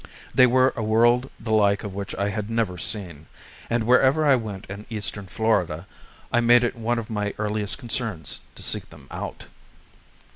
They were a world the like of which I had never seen; and wherever I went in eastern Florida, I made it one of my earliest concerns to seek them out.